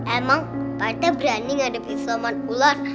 emang pak ranti berani ngadepin siluman ular